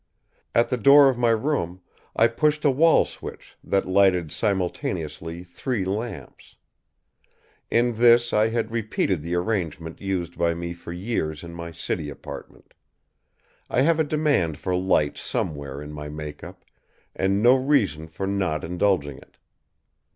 At the door of my room, I pushed a wall switch that lighted simultaneously three lamps. In this I had repeated the arrangement used by me for years in my city apartment. I have a demand for light somewhere in my make up, and no reason for not indulging it.